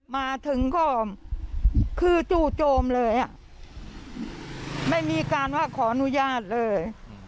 มาถึงก็คือจู่โจมเลยอ่ะไม่มีการว่าขออนุญาตเลย